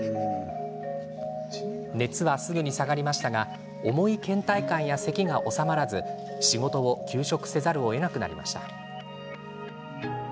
熱はすぐに下がりましたが重いけん怠感や、せきが治まらず仕事を休職せざるをえなくなりました。